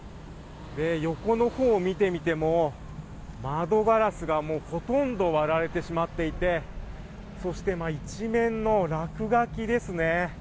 横のほうを見てみても窓ガラスがほとんど割られてしまっていてそして、一面の落書きですね。